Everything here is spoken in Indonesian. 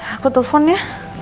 aku telepon ya